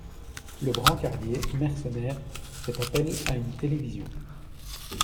Le brancardier mercenaire fait appel à une télévision.